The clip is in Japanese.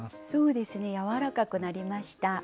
そうですねやわらかくなりました。